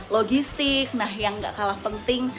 logistik nah yang gak kalah penting